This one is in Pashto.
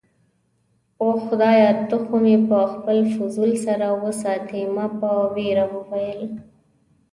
اوه، خدایه، ته خو مې په خپل فضل سره وساتې. ما په ویره وویل.